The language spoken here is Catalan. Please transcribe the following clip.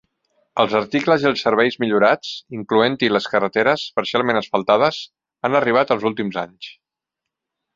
Els articles i els serveis millorats, incloent-hi les carreteres parcialment asfaltades, han arribat als últims anys.